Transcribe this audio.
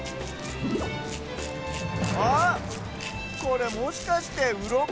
あっこれもしかしてうろこ？